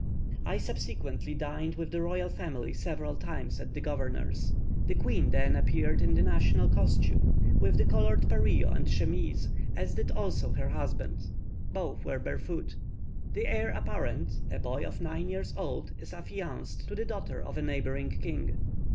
I subsequently dined with the royal family several times at the governor's. The queen then appeared in the national costume, with the coloured pareo and chemise, as did also her husband. Both were barefoot. The heir apparent, a boy of nine years old, is affianced to the daughter of a neighbouring king.